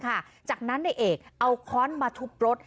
เพราะฉะนั้นนายเอกเอาค้อนมาทุบรถ